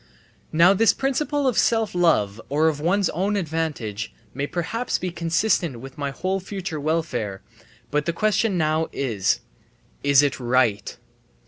Now this principle of self love or of one's own advantage may perhaps be consistent with my whole future welfare; but the question now is, "Is it right?"